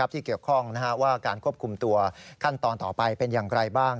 ที่เกี่ยวข้องว่าการควบคุมตัวขั้นตอนต่อไปเป็นอย่างไรบ้าง